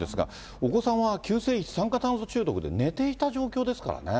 お子さんは急性一酸化炭素中毒で、寝ていた状況ですからね。